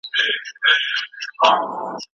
دا ږغ له هغه ښه دی.